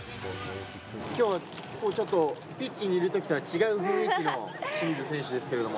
きょうはちょっと、ピッチにいるときとは違う雰囲気の清水選手ですけれども。